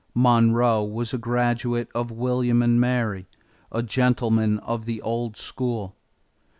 Monroe was a graduate of William and Mary, a gentleman of the old school.